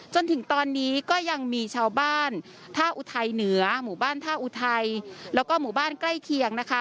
จนถึงตอนนี้ก็ยังมีชาวบ้านท่าอุทัยเหนือหมู่บ้านท่าอุทัยแล้วก็หมู่บ้านใกล้เคียงนะคะ